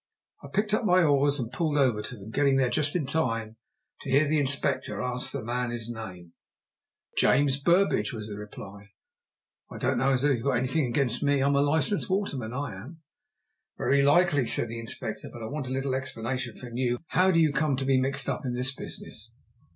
I picked up my oars and pulled over to them, getting there just in time to hear the Inspector ask the man his name. "James Burbidge," was the reply. "I don't know as how you've got anything against me. I'm a licensed waterman, I am." "Very likely," said the Inspector; "but I want a little explanation from you. How do you come to be mixed up in this business?"